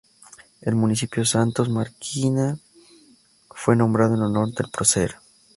El Municipio Santos Marquina fue nombrado en honor del prócer.